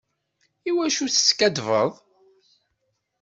Iwacu i s-teskaddbeḍ?